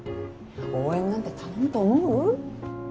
応援なんて頼むと思う？